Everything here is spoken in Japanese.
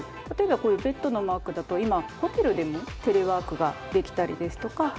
例えばこういうベッドのマークだと今ホテルでもテレワークができたりですとか。